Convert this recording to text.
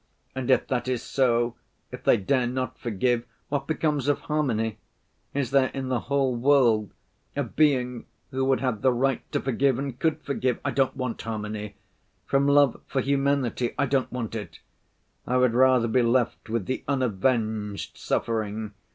And if that is so, if they dare not forgive, what becomes of harmony? Is there in the whole world a being who would have the right to forgive and could forgive? I don't want harmony. From love for humanity I don't want it. I would rather be left with the unavenged suffering.